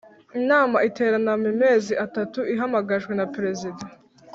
Inama iterana mi mezi atatu ihamagajwe na Perezida